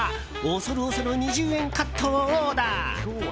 恐る恐る２０円カットをオーダー。